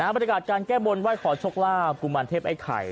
บรรยากาศการแก้บนไห้ขอโชคลาภกุมารเทพไอ้ไข่